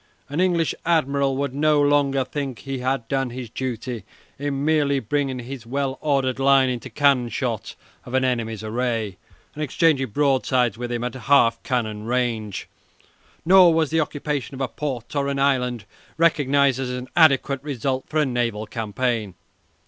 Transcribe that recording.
An English admiral would no longer think he had done his duty in merely bringing his well ordered line into cannon shot of an enemy's array and exchanging broadsides with him at half cannon range. Nor was the occupation of a port or an island recognized as an adequate result for a naval campaign.